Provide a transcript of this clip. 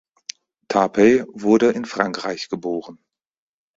Tarpey wurde in Frankreich geboren.